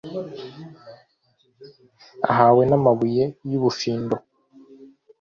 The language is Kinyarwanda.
ahawe n’amabuye y’ubufindo.